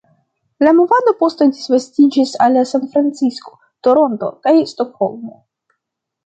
La movado poste disvastiĝis al Sanfrancisko, Toronto, kaj Stokholmo.